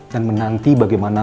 dan menanti bagaimana